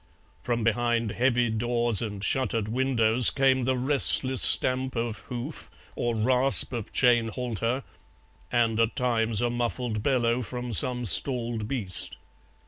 From behind heavy doors and shuttered windows came the restless stamp of hoof or rasp of chain halter, and at times a muffled bellow from some stalled beast.